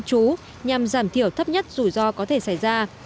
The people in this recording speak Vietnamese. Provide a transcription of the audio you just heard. chú nhằm giảm thiểu thấp nhất rủi ro có thể xảy ra